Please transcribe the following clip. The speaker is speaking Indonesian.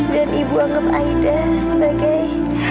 dan ibu anggap aida sebagai